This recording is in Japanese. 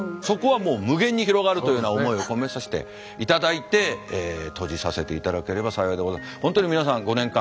そこはもう無限に広がるというような思いを込めさせていただいて閉じさせていただければ幸いでございます。